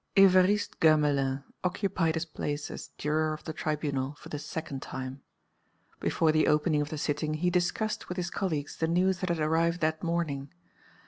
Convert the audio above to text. XIII Évariste Gamelin occupied his place as juror of the Tribunal for the second time. Before the opening of the sitting, he discussed with his colleagues the news that had arrived that morning.